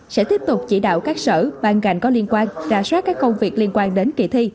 sẽ tiếp tục chỉ đạo các sở bàn gành có liên quan ra soát các công việc liên quan đến kỳ thi